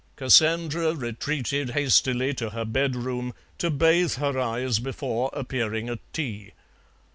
Cassandra retreated hastily to her bedroom to bathe her eyes before appearing at tea.